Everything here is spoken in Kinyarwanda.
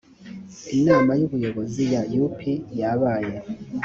inama y ubuyobozi ya u p yabaye